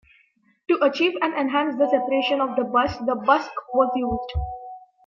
To achieve and enhance the separation of the bust the "busk" was used.